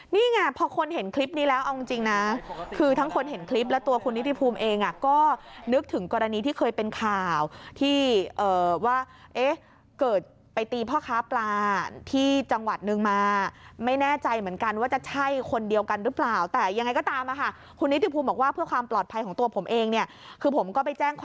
นี่ไงพอคนเห็นคลิปนี้แล้วเอาจริงนะคือทั้งคนเห็นคลิปและตัวคุณนิติภูมิเองก็นึกถึงกรณีที่เคยเป็นข่าวที่ว่าเอ๊ะเกิดไปตีพ่อค้าปลาที่จังหวัดนึงมาไม่แน่ใจเหมือนกันว่าจะใช่คนเดียวกันหรือเปล่าแต่ยังไงก็ตามคุณนิติภูมิบอกว่าเพื่อความปลอดภัยของตัวผมเองเนี่ยคือผมก็ไปแจ้งข้อ